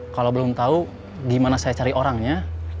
kalau belum tahu gimana saya cari orangnya